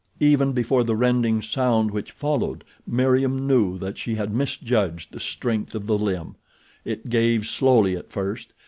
Even before the rending sound which followed Meriem knew that she had misjudged the strength of the limb. It gave slowly at first.